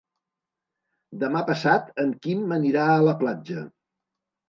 Demà passat en Quim anirà a la platja.